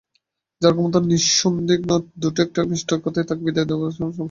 যাঁর ক্ষমতা নিঃসন্দিগ্ধ, দুটো একটা মিষ্ট কথায় তাঁকে বিদায় করা তাঁর অসম্মাননা।